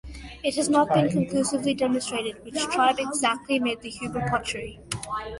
It has not been conclusively demonstrated which tribe exactly made the Huber pottery.